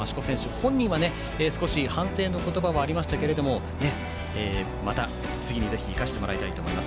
本人は、少し反省の言葉はありましたがまた次にぜひ生かしてもらいたいと思います。